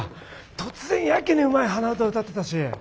突然やけにうまい鼻歌歌ってたし。